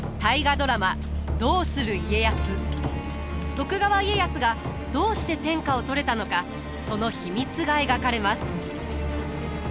徳川家康がどうして天下を取れたのかその秘密が描かれます。